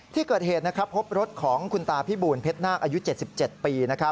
ที่เกิดเหตุพบรถของคุณตาพิบูลเพชรนาคอายุ๗๗ปี